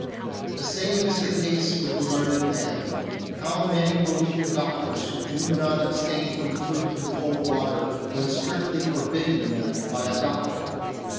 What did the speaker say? The same is the case with the learned man. How many believe in doctors who do not abstain from fruit and cold water when strictly forbidden them by a doctor